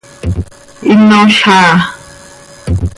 ¡Hinol haa!